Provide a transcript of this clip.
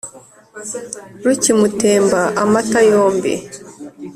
rukimutemba amata yombi,